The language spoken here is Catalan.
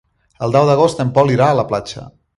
El deu d'agost en Pol irà a la platja.